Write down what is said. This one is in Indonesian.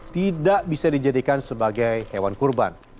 tidak bisa dijadikan sebagai hewan kurban